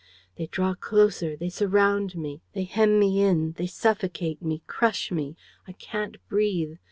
They draw closer, they surround me, they hem me in, they suffocate me, crush me, I can't breathe.